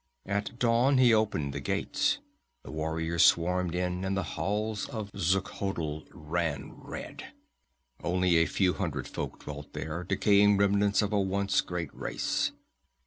"At dawn he opened the gates. The warriors swarmed in and the halls of Xuchotl ran red. Only a few hundred folk dwelt there, decaying remnants of a once great race.